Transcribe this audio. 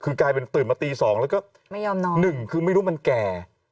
คือกลายเป็นตื่นมาตี๒แล้วก็๑คือไม่รู้ว่ามันแก่